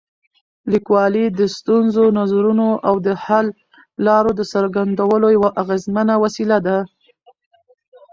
لیکوالی د ستونزو، نظرونو او حل لارو د څرګندولو یوه اغېزمنه وسیله ده.